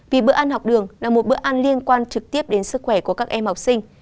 vì bữa ăn học đường là một bữa ăn liên quan trực tiếp đến sức khỏe của các em học sinh